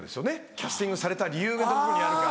キャスティングされた理由がどこにあるか。